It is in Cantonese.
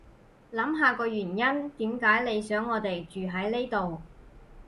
諗下個原因點解你想我哋住喺呢度